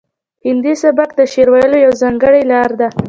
هندي سبک د شعر ویلو یوه ځانګړې لار ده